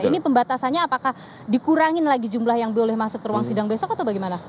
ini pembatasannya apakah dikurangin lagi jumlah yang boleh masuk ke ruang sidang besok atau bagaimana